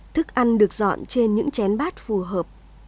thức ăn được dọn trên những chén bát phù hợp